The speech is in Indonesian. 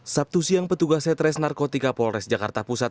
sabtu siang petugas setres narkotika polres jakarta pusat